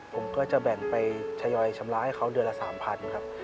ผมก็จะแบ่งไปทยอยชำระให้เขาเดือนละ๓๐๐ครับ